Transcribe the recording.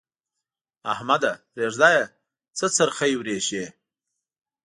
احمده! پرېږده يې؛ څه څرخی ورېشې.